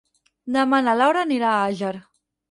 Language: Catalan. Demà na Laura anirà a Àger.